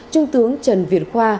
trung tướng trần việt khoa